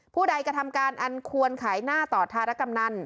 ผู้ใดกระทำการอันควรขายหน้าต่อธารกำนัน